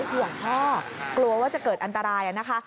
ห่วงพ่อกลัวว่าจะเกิดอันตรายนะคะ